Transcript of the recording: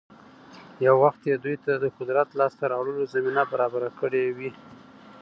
يـو وخـت يـې دوي تـه د قـدرت لاس تـه راوړلـو زمـينـه بـرابـره کـړي وي.